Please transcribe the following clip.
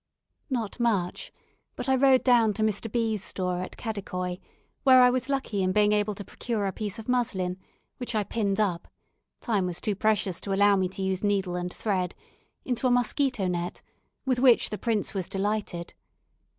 Not much; but I rode down to Mr. B 's store, at Kadikoi, where I was lucky in being able to procure a piece of muslin, which I pinned up (time was too precious to allow me to use needle and thread) into a mosquito net, with which the prince was delighted.